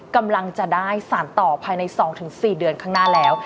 กำลังจะได้สารต่อภายใน๒๔เดือนข้างหน้าแล้ว